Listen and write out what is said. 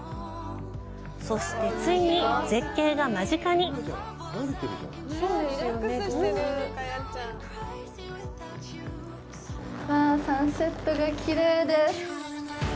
そして、ついに絶景が間近にわあ、サンセットがきれいです。